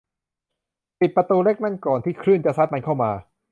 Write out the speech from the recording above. ปิดประตูเล็กนั่นก่อนที่คลื่นจะซัดมันเข้ามา